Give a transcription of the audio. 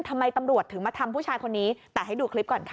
ทำไมตำรวจถึงมาทำผู้ชายคนนี้แต่ให้ดูคลิปก่อนค่ะ